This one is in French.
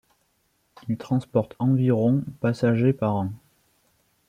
Il transporte environ passagers par an.